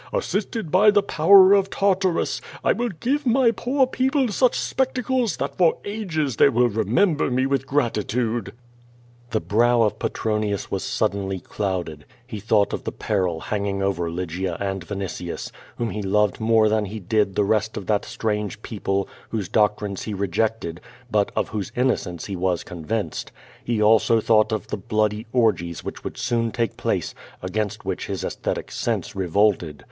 Assisted by the power of Tartarus, I will give my poor people sucli spectacles that for ages they will remember me with grati tude." The brow of Petronius was suddenly clouded. He thought of the peril hanging over Lygia and Vinitius, whom he loved more than he did the rest of that strange people, whose doc trines he rejected, but of whose innocence he was convinced. He also thought of the bloody orgies which would soon take place, against whicli his aesthetic sense revolted.